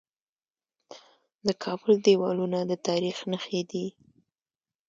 د کابل دیوالونه د تاریخ نښې دي